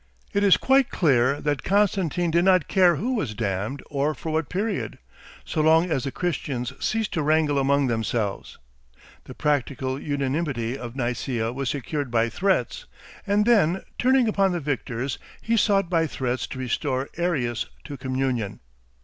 It is quite clear that Constantine did not care who was damned or for what period, so long as the Christians ceased to wrangle among themselves. The practical unanimity of Nicaea was secured by threats, and then, turning upon the victors, he sought by threats to restore Arius to communion.